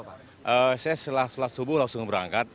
saya setelah subuh langsung berangkat